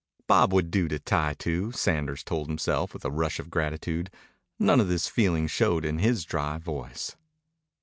Bob would do to tie to, Sanders told himself with a rush of gratitude. None of this feeling showed in his dry voice.